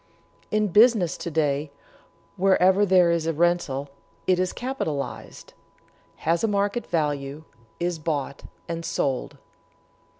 In business to day, wherever there is a rental, it is capitalized, has a market value, is bought and sold.